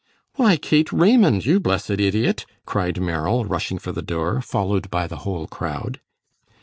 "Why, Kate Raymond, you blessed idiot!" cried Merrill, rushing for the door, followed by the whole crowd.